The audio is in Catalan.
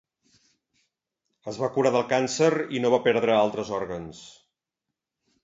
Es va curar del càncer i no va perdre altres òrgans.